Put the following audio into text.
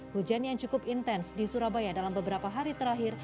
hujan yang cukup intens di surabaya dalam beberapa hari terakhir